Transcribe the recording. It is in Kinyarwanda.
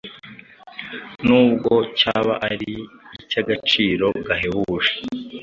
nubwo cyaba ari icy’agaciro gahebuje.